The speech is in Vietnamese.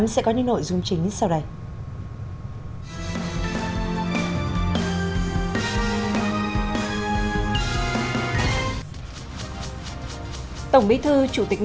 xin chào và hẹn gặp lại